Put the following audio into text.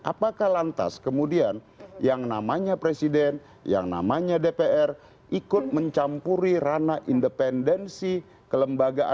apakah lantas kemudian yang namanya presiden yang namanya dpr ikut mencampuri rana independensi kelembagaan